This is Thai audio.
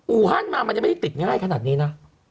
ฮั่นมามันยังไม่ได้ติดง่ายขนาดนี้นะ